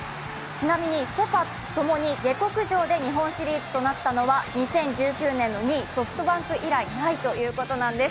ちなみにセ・パともに下克上で日本シリーズ進出となったのは、２０１９年の２位・ソフトバンク以来ないということなんです。